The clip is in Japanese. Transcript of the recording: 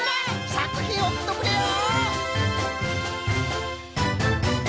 さくひんおくっておくれよ。